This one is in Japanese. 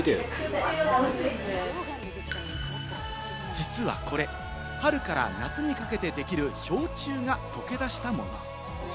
実はこれ、春から夏にかけてできる氷柱が溶け出したもの。